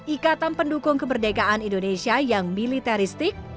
ikatan pendukung kemerdekaan indonesia yang militeristik